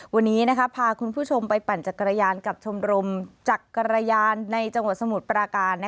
วันนี้พาคุณผู้ชมไปปั่นจักรยานกับชมรมจักรยานในจังหวัดสมุทรปราการ